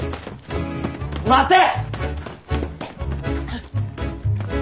待て！